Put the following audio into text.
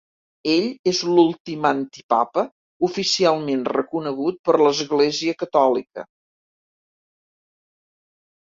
Ell és l'últim antipapa oficialment reconegut per l'Església Catòlica.